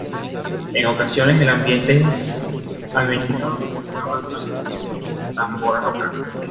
En ocasiones el ambiente es amenizado por una banda o tambora local.